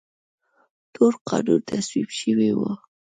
تور قانون تصویب شوی و.